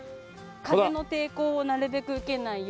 風の抵抗をなるべく受けないように。